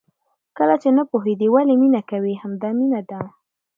کله چې نه پوهېدې ولې مینه کوې؟ همدا مینه ده.